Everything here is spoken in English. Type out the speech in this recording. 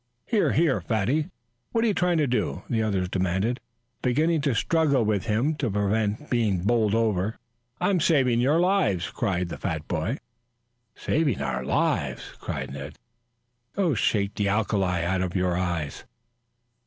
"Here, here, Fatty! What are you trying to do?" the others demanded, beginning to struggle with him to prevent being bowled over. "I'm saving your lives," cried the fat boy. "Saving our lives?" cried Ned. "Go shake the alkali out of your eyes."